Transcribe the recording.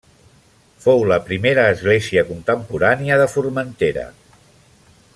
Fou la primera església contemporània de Formentera.